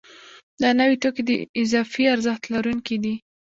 دا نوي توکي د اضافي ارزښت لرونکي دي